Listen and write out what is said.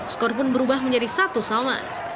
skor pun berubah menjadi satu sama